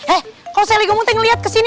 eh kalau saya ligamu teh ngeliat kesini